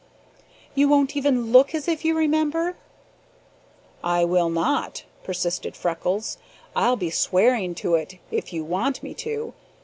"You won't even LOOK as if you remember?" "I will not!" persisted Freckles. "I'll be swearing to it if you want me to.